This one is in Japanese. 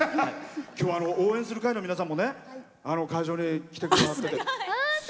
応援する会の皆さんも会場に来てくださって。